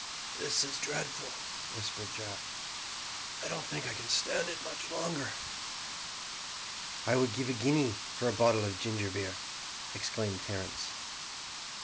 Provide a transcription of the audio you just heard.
"This is dreadful," whispered Jack; "I don't think I can stand it much longer." "I would give a guinea for a bottle of gingerbeer," exclaimed Terence.